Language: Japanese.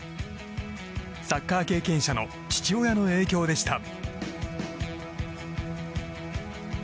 サッカー経験者の父親の影響でした。